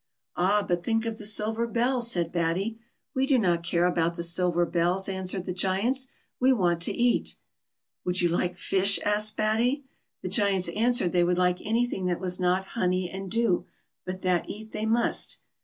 " Ah ! but think of the silver bells," said Batty. " We do not care about the silver bells," answered the Giants ; "we want to eat." " Would you like fish .'" asked Batty. The Giants answered they would like anything that was not honey and dew, but that eat they must.